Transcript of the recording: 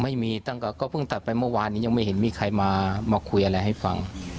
ไม่มีตั้งก็เพิ่งตัดไปเมื่อวานนี้ยังไม่เห็นมีใครมาคุยอะไรให้ฟัง